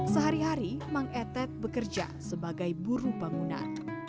sehari hari mengetet bekerja sebagai buru bangunan